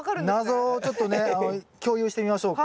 謎をちょっとね共有してみましょうか。